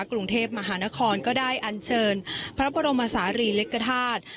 กรุงเทพมหานครก็ได้อันเชิญพระบรมศาสตร์ฤริกษาธาตุ